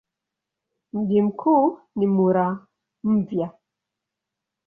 Mji mkuu ni Muramvya.